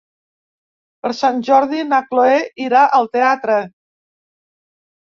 Per Sant Jordi na Cloè irà al teatre.